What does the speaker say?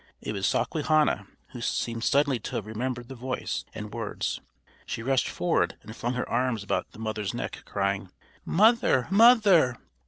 It was Sawquehanna, who seemed suddenly to have remembered the voice and words. She rushed forward, and flung her arms about the mother's neck, crying, "Mother, mother!"